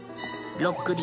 ロックリ。